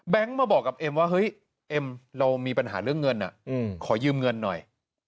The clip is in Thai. มาบอกกับเอ็มว่าเฮ้ยเอ็มเรามีปัญหาเรื่องเงินขอยืมเงินหน่อย